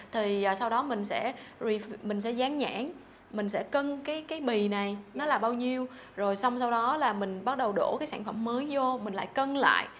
thì sau đó mình sẽ dán nhãn mình sẽ cân cái bì này nó là bao nhiêu rồi xong sau đó là mình bắt đầu đổ cái sản phẩm mới vô mình lại cân lại